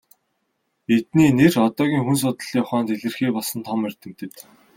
Эдний нэр одоогийн хүн судлалын ухаанд илэрхий болсон том эрдэмтэд.